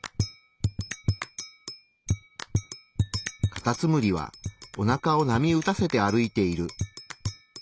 カタツムリはおなかを波打たせて歩いている。